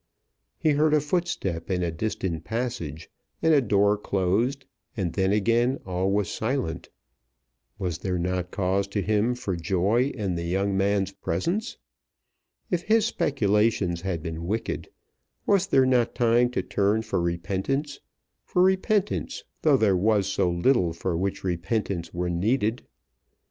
He heard a footstep in a distant passage, and a door closed, and then again all was silent. Was there not cause to him for joy in the young man's presence? If his speculations had been wicked, was there not time to turn for repentance, for repentance, though there was so little for which repentance were needed?